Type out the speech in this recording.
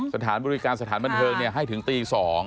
สถานบริการสถานบันเทิงให้ถึงตี๒